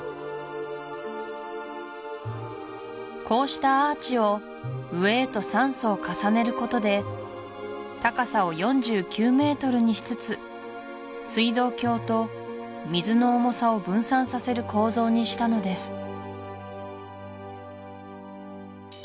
こうしたアーチを上へと３層重ねることで高さを４９ｍにしつつ水道橋と水の重さを分散させる構造にしたのです